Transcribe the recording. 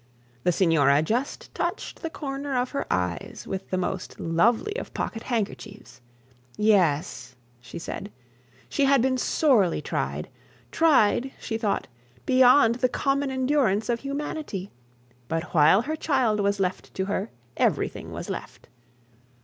The signora just touched the corner of her eyes with the most lovely of pocket handkerchiefs. Yes, she said she had been very sorely tried tried, she thought, beyond the common endurance of humanity; but while her child was left to her, everything was left.